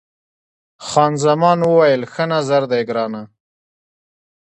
خان زمان وویل، ښه نظر دی ګرانه.